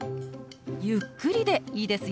ゆっくりでいいですよ。